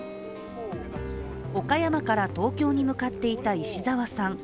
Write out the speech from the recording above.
岡山から東京に向かっていた石澤さん。